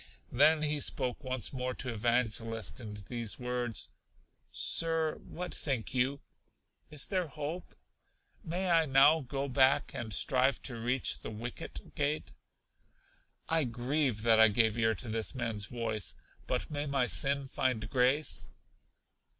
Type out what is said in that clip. Then he spoke once more to Evangelist in these words: Sir, what think you? Is there hope? May I now go back, and strive to reach The Wicket Gate? I grieve that I gave ear to this man's voice; but may my sin find grace?